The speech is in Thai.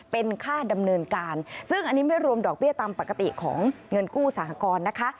เป็นค่าดำเนินการซึ่งอันนี้ไม่รวมดอกเบี้ยตามปกติของเงินกู้สหกรณ์นะคะ